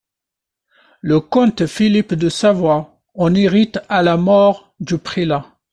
Le comte Philippe de Savoie en hérite à la mort du prélat.